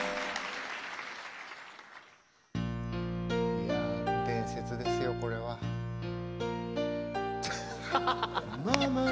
いや伝説ですよこれは。ハハハハ！